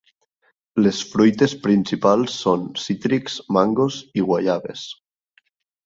Les fruites principals són cítrics, mangos i guaiabes.